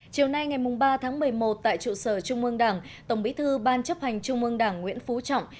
chiều nay ngày ba tháng một mươi một tại trụ sở trung ương đảng tổng bí thư ban chấp hành trung ương đảng nguyễn phú trọng